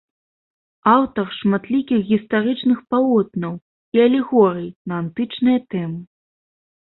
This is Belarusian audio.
Аўтар шматлікіх гістарычных палотнаў і алегорый на антычныя тэмы.